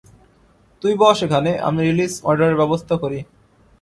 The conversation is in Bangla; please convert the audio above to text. তুই বস এখানে, আমি রিলিজ-অর্ডারের ব্যবস্থা করি।